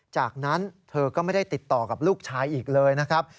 จากนั้นเธอก็ไม่ได้ติดต่อกับลูกชายอีกเลยนะครับ